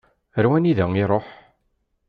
Ar wanida i iṛuḥ?